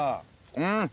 うん！